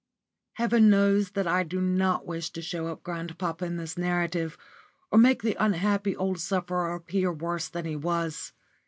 *_ Heaven knows that I do not wish to show up grandpapa in this narrative, or make the unhappy old sufferer appear worse than he was.